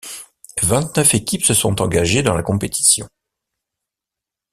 Vingt-neuf équipes se sont engagées dans la compétition.